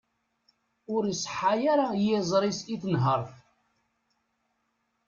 Ur iṣeḥḥa ara yiẓri-is i tenhert.